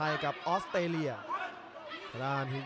แชลเบียนชาวเล็ก